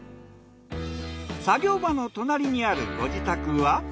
作業場の隣にあるご自宅は。